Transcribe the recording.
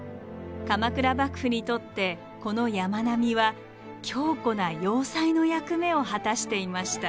鎌倉幕府にとってこの山並みは強固な要塞の役目を果たしていました。